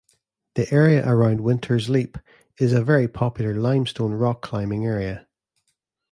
The area around Wintour's Leap is a very popular limestone rock climbing area.